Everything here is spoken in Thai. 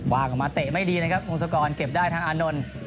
ว่างออกมาเตะไม่ดีนะครับพงศกรเก็บได้ทางอานนท์